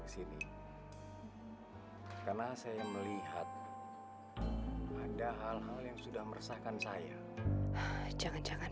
sini karena saya melihat ada hal hal yang sudah meresahkan saya jangan jangan